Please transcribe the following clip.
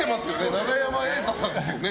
永山瑛太さんですよね？